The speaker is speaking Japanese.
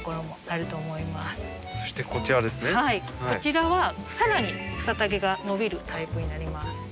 こちらはさらに草丈が伸びるタイプになります。